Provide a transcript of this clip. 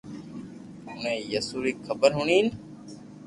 اوڻي يسوع ري خبر ھوڻين